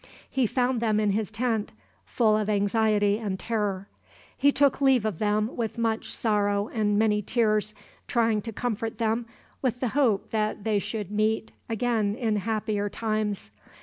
He found them in his tent, full of anxiety and terror. He took leave of them with much sorrow and many tears, trying to comfort them with the hope that they should meet again in happier times.